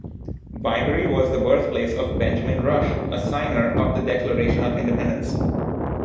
Byberry was the birthplace of Benjamin Rush, a signer of the Declaration of Independence.